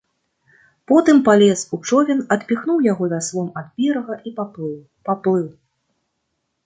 Потым палез у човен, адпіхнуў яго вяслом ад берага і паплыў, паплыў.